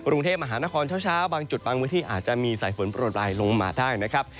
กรุงเทพมหานครเช้าบางจุดบางพื้นที่อาจจะมีสายฝนโปรดปลายลงมาได้นะครับ